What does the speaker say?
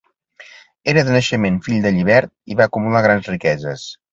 Era de naixement fill de llibert i va acumular grans riqueses.